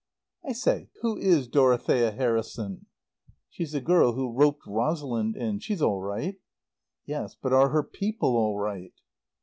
"I say, who is Dorothea Harrison?" "She's the girl who roped Rosalind in. She's all right." "Yes, but are her people all right?"